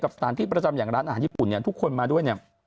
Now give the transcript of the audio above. สถานที่ประจำอย่างร้านอาหารญี่ปุ่นเนี่ยทุกคนมาด้วยเนี่ย